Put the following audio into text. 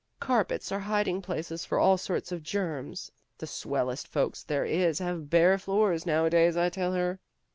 ''Carpets are hiding places for all sorts of germs. The swellest folks there is have bare floors nowadays, I tell her."